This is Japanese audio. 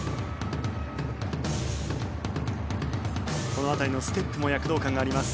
この辺りのステップも躍動感があります。